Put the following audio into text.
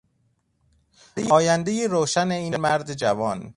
آیندهی روشن این مرد جوان